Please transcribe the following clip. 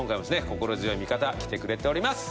心強い味方来てくれております。